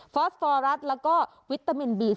อสฟอรัสแล้วก็วิตามินบี